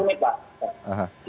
ya ini pak